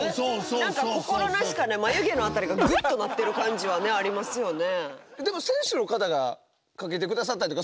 何か心なしかね眉毛の辺りがグッとなってる感じはねありますよね。